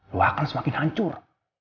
lo akan semakin hancur